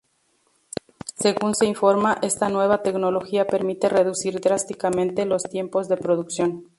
Según se informa, esta nueva tecnología permite reducir drásticamente los tiempos de producción.